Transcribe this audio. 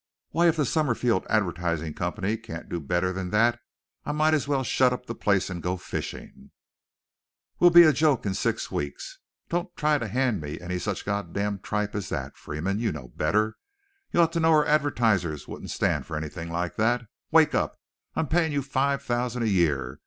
Why, if the Summerfield Advertising Company can't do better than that I might as well shut up the place and go fishing. We'll be a joke in six weeks. Don't try to hand me any such God damned tripe as that, Freeman. You know better. You ought to know our advertisers wouldn't stand for anything like that. Wake up! I'm paying you five thousand a year.